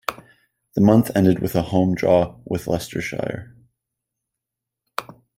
The month ended with a home draw with Leicestershire.